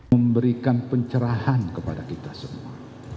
memberikan pencerahan kepada kita semua